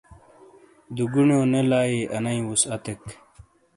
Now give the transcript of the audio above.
دُگونیو نے لائیی انئیی وُسعتیک۔